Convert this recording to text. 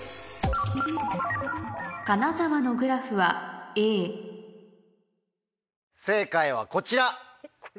金沢のグラフは正解はこちら。